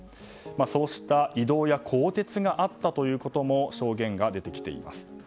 そうした異動や更迭があったということも証言が出てきています。